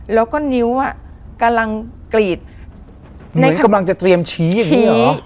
แล้วก็นิ้วอ่ะกำลังกรีดเหมือนกำลังจะเตรียมชี้อย่างนี้หรอ